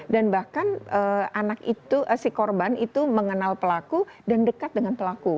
dan bahkan anak itu si korban itu mengenal pelaku dan dekat dengan pelaku